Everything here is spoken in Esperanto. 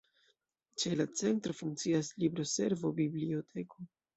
Ĉe la Centro funkcias libroservo, biblioteko.